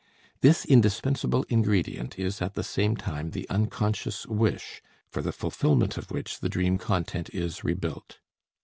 This indispensable ingredient is at the same time the unconscious wish, for the fulfillment of which the dream content is rebuilt.